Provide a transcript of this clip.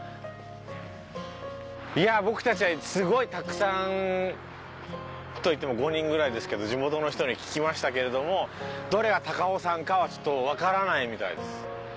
いや僕たちはすごいたくさんといっても５人ぐらいですけど地元の人に聞きましたけれどもどれが高尾山かはちょっとわからないみたいです。